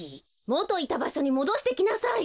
もといたばしょにもどしてきなさい！